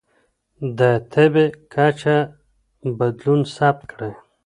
د تبه کچه بدلون ثبت کړئ.